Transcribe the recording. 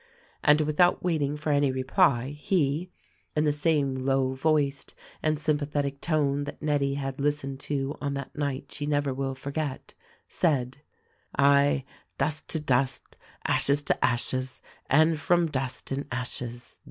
And without waiting for any reply, he (in the same low voiced and sympathetic tone that Nettie had listened to on that night she never will forget), said : "Aye, Dust to Dust! Ashes to Ashes! — and from Dust and Ashes.